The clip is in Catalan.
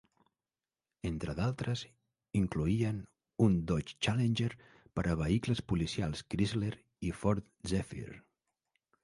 Entre d'altres, incloïen un Dodge Challenger per a vehicles policials Chrysler i Ford Zephyr.